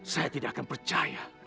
saya tidak akan percaya